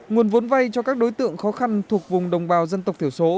nguồn vốn vay cho các đối tượng khó khăn thuộc vùng đồng bào dân tộc thiểu số